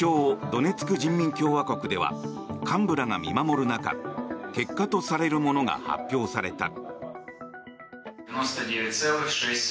・ドネツク人民共和国では幹部らが見守る中結果とされるものが発表された。